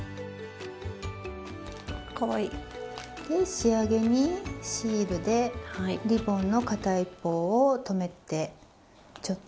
仕上げにシールでリボンの片一方を留めてちょっと。